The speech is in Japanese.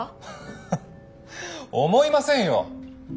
フッ思いませんよ。